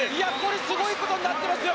すごいことになってますよ